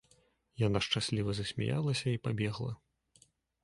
Яна шчасліва засмяялася і пабегла.